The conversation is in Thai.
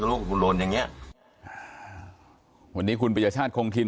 ถ้าลูกของคุณโรนอย่างเงี้ยวันนี้คุณประเยชาชคงทิน